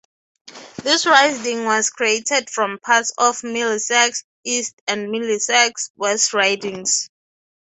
This riding was created from parts of Middlesex East and Middlesex West ridings.